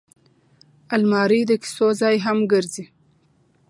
الماري د کیسو ځای هم ګرځي